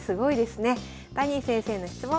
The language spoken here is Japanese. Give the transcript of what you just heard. ダニー先生への質問